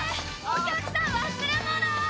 お客さん忘れ物！